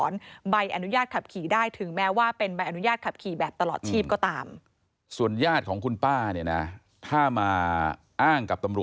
รู้ดีว่าคุณป้ามีอาการยังไง